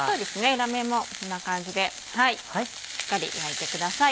裏面もこんな感じでしっかり焼いてください。